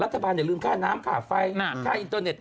อย่าลืมค่าน้ำค่าไฟค่าอินเตอร์เน็ต